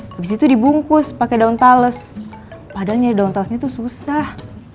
habis itu dibungkus pake daun tales padahal nyari daun talesnya tuh susah